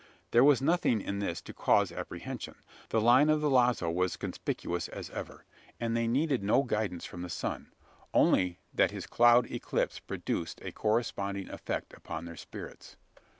There was nothing in this to cause apprehension. The line of the lazo was conspicuous as ever; and they needed no guidance from the sun: only that his cloud eclipse produced a corresponding effect upon their spirits.